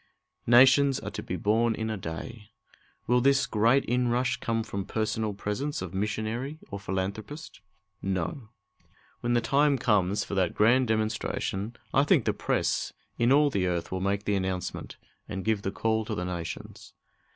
"Nations are to be born in a day." Will this great inrush come from personal presence of missionary or philanthropist? No. When the time comes for that grand demonstration I think the press in all the earth will make the announcement, and give the call to the nations.